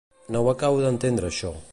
No ho acabo d'entendre això.